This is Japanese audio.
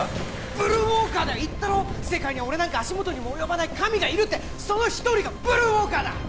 ブルーウォーカーだよ言ったろ世界には俺なんか足元にも及ばない神がいるってその一人がブルーウォーカーだ！